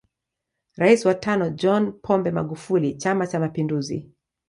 Rais wa tano John Pombe Magufuli chama cha mapinduzi